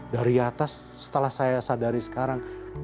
dari atas setelah saya sadari sekarang